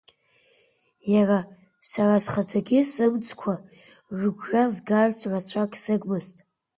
Иара, сара схаҭагьы сымцқәа рыгәра згарц рацәак сыгмызт.